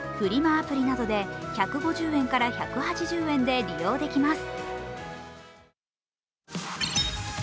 アプリなどで１５０円から１８０円で利用できます。